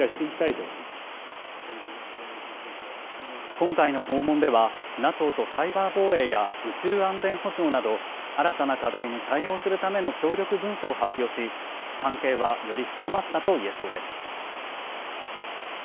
今回の訪問ではＮＡＴＯとサイバー防衛や宇宙安全保障など、新たな課題に対応するための協力文書を発表し、関係は、より深まったと言えそうです。